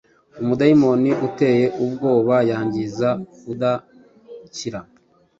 Umudayimoni uteye ubwobayangiza udakira